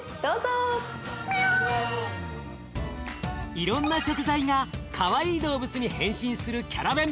いろんな食材がかわいい動物に変身するキャラベン。